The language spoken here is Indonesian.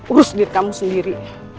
urus diri kamu sendiri